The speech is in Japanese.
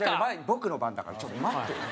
僕の番だからちょっと待ってよ。